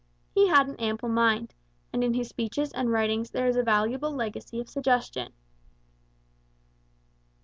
He had an ample mind, and in his speeches and writings there is a valuable legacy of suggestion.